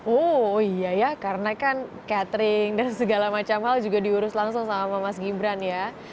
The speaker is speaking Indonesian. oh iya ya karena kan catering dan segala macam hal juga diurus langsung sama mas gibran ya